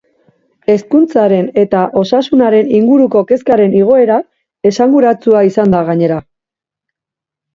Hezkuntzaren eta osasunaren inguruko kezkaren igoera esanguratsua izan da, gainera.